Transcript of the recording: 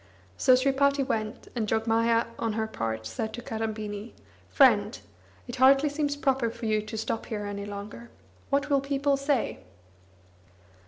So Sripati went, and Jogmaya on her part said to Kadambini "Friend, it hardly seems proper for you to stop here any longer. What will people say?"